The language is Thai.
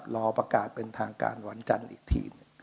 รอประกาศเป็นทางการวันจันทร์อีกที